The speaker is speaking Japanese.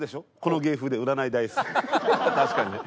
確かにね。